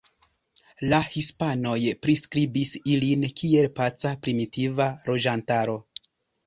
La hispanoj priskribis ilin kiel paca primitiva loĝantaro.